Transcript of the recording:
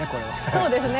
そうですね。